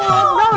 kamu yang biru